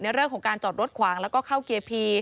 เรื่องของการจอดรถขวางแล้วก็เข้าเกียร์พี